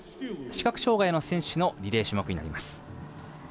視覚障がいの選手のリレー種目になります。